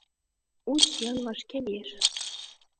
«У сӱан вашке лиеш».